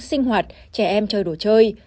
sinh hoạt trẻ em chơi đồ chơi